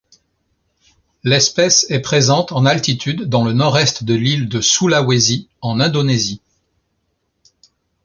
L'espèce est présente en altitude dans le nord-est de l'île de Sulawesi en Indonésie.